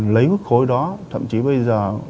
lấy cục khối đó thậm chí bây giờ